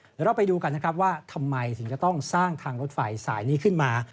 เดี๋ยวเราไปดูกันนะครับว่าทำไมถึงจะต้องสร้างทางรถไฟสายนี้ขึ้นมา